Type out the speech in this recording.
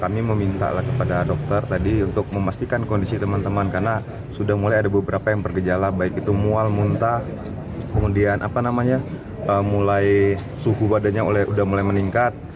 kami meminta kepada dokter tadi untuk memastikan kondisi teman teman karena sudah mulai ada beberapa yang bergejala baik itu mual muntah kemudian apa namanya mulai suhu badannya sudah mulai meningkat